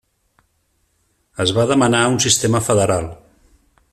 Es va demanar un sistema federal.